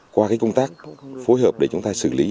qua công tác phối hợp để chúng ta xử lý